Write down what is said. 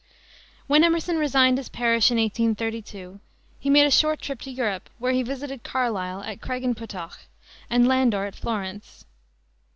When Emerson resigned his parish in 1832 he made a short trip to Europe, where he visited Carlyle at Craigenputtoch, and Landor at Florence.